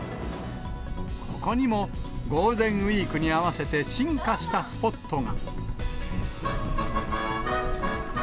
ここにもゴールデンウィークに合わせて進化したスポットが。